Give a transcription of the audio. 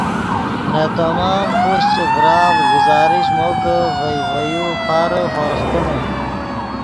نے تمام خوشچے ڤرآف گزارش مو کہ ڤئے ڤے یو فارے ہورغ کینے